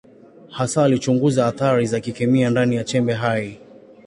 Hasa alichunguza athari za kikemia ndani ya chembe hai.